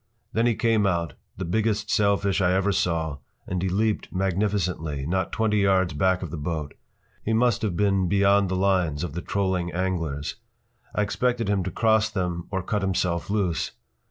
” Then he came out, the biggest sailfish I ever saw, and he leaped magnificently, not twenty yards back of that boat. He must have been beyond the lines of the trolling anglers. I expected him to cross them or cut himself loose.